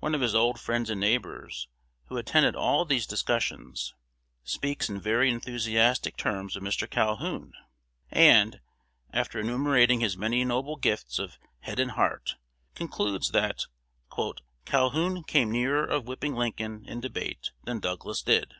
One of his old friends and neighbors, who attended all these discussions, speaks in very enthusiastic terms of Mr. Calhoun, and, after enumerating his many noble gifts of head and heart, concludes that "Calhoun came nearer of whipping Lincoln in debate than Douglas did."